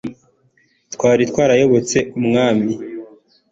twari twarayobotse umwami